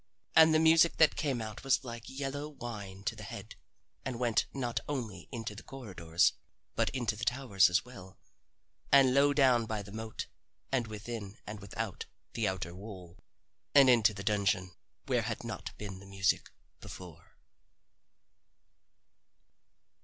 And the music that came out was like yellow wine to the head, and went not only into the corridors but into the towers as well, and low down by the moat and within and without the outer wall, and into the dungeon where had not been music before.